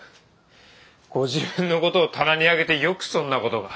ご自分の事を棚に上げてよくそんな事が。